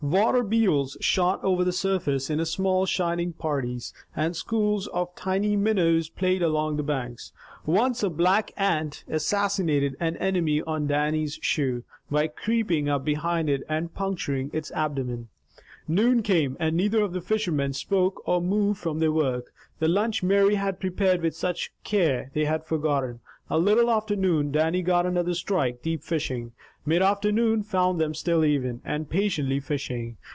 Water beetles shot over the surface in small shining parties, and schools of tiny minnows played along the banks. Once a black ant assassinated an enemy on Dannie's shoe, by creeping up behind it and puncturing its abdomen. Noon came, and neither of the fishermen spoke or moved from their work. The lunch Mary had prepared with such care they had forgotten. A little after noon, Dannie got another strike, deep fishing. Mid afternoon found them still even, and patiently fishing.